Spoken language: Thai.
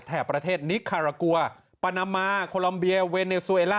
ประเทศนิคารากัวปานามาโคลอมเบียเวเนซูเอล่า